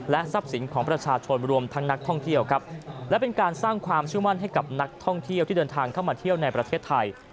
ทรัพย์สินของประชาชนรวมทั้งนักท่องเที่ยวครับและเป็นการสร้างความเชื่อมั่นให้กับนักท่องเที่ยวที่เดินทางเข้ามาเที่ยวในประเทศไทย